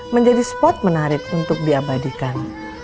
menjadi spot menarik untuk diabadikan